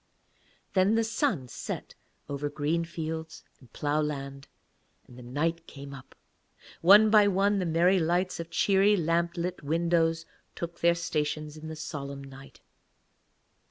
Then the sun set over green fields and ploughland and the night came up. One by one the merry lights of cheery lamp lit windows took their stations in the solemn night.